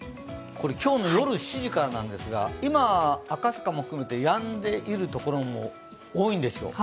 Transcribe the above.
今日の夜７時からなんですが、今、赤坂も含めてやんでいるところも多いんでしょう。